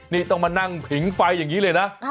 นี่ต้องมานั่งผิงไฟอย่างนี้เลยนะ